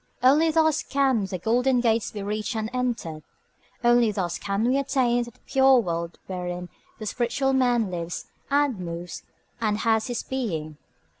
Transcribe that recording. Only thus can the golden gates be reached and entered. Only thus can we attain to that pure world wherein the spiritual man lives, and moves, and has his being.